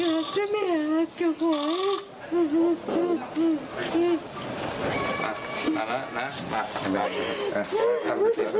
มาแล้วนะมา